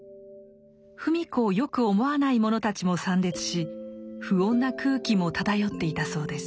芙美子をよく思わない者たちも参列し不穏な空気も漂っていたそうです。